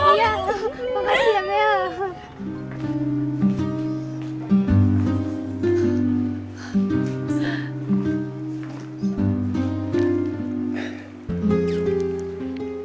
iya makasih ya bella